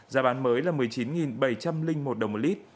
giá bán mới là một mươi chín bảy trăm linh một đồng một lít